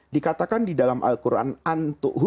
dikatakan di dalam al quran